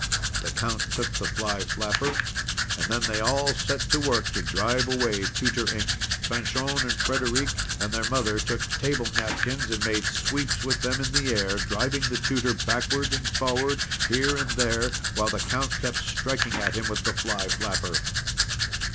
The Count took the fly flapper; and then they all set to work to drive away Tutor Ink. Fanchon and Frederic and their mother took table napkins, and made sweeps with them in the air, driving the Tutor backward and forward, here and there, while the Count kept striking at him with the fly flapper.